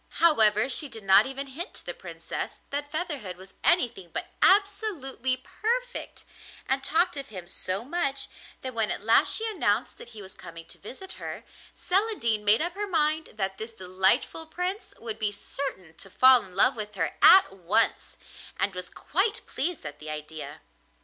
However, she did not even hint to the Princess that Featherhead was anything but absolutely perfect, and talked of him so much that when at last she announced that he was coming to visit her, Celandine made up her mind that this delightful Prince would be certain to fall in love with her at once, and was quite pleased at the idea.